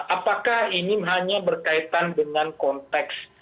apakah ini hanya berkaitan dengan konteks